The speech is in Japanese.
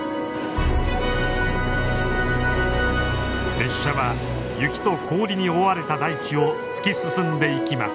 列車は雪と氷に覆われた大地を突き進んでいきます。